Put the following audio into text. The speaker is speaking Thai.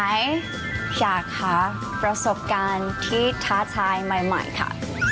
อยากค่ะประสบการณ์ที่ท้าทายใหม่ค่ะ